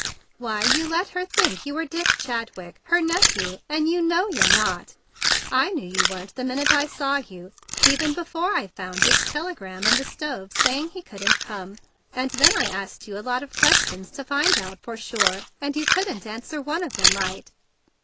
"Why, you let her think you were Dick Chadwick, her nephew; and you know you're not! I knew you weren't the minute I saw you, even before I found Dick's telegram in the stove say¬ ing he couldn't come. And then I asked you a lot of questions to find out THE BIG BLUE SOLDIER 123 for sure, and you couldn't answer one of them right."